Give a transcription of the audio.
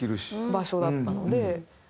場所だったので。